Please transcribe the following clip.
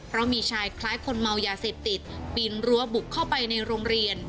เพราะมีชายคล้ายคนเมายาเสพติดปีนรั้วบุกเข้าไปในโรงเรียน